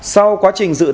sau quá trình dự thách